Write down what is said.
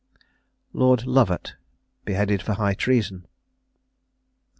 LORD LOVAT. BEHEADED FOR HIGH TREASON.